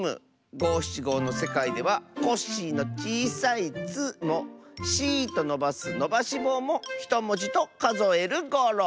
ごしちごのせかいでは「コッシー」のちいさい「ッ」も「シー」とのばすのばしぼうも１もじとかぞえるゴロ！